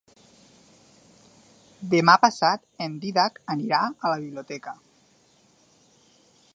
Demà passat en Dídac anirà a la biblioteca.